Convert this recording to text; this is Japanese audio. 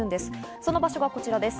その場所はこちらです。